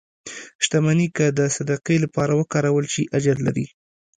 • شتمني که د صدقې لپاره وکارول شي، اجر لري.